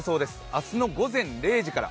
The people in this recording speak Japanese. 明日の午前０時から。